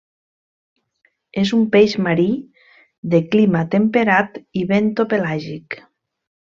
És un peix marí, de clima temperat i bentopelàgic.